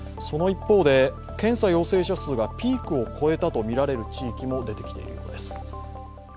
その一方で検査陽性者数がピークを越えたとみられる地域も出てきているということです。